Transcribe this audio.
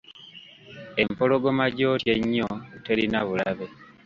Empologoma gy’otya ennyo terina bulabe.